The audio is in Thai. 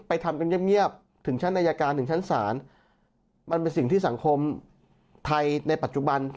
ทำกันเงียบถึงชั้นอายการถึงชั้นศาลมันเป็นสิ่งที่สังคมไทยในปัจจุบัน